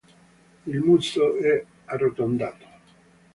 Il muso è arrotondato.